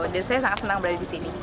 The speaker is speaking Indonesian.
dan saya sangat senang berada di sini